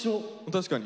確かに。